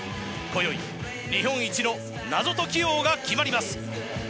今宵日本一の謎解き王が決まります。